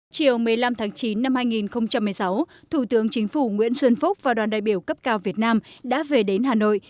chiều một mươi năm tháng chín năm hai nghìn một mươi sáu thủ tướng chính phủ nguyễn xuân phúc và đoàn đại biểu cấp cao việt nam đã về đến hà nội